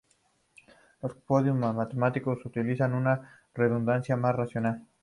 Los códigos matemáticos utilizan una redundancia más racional.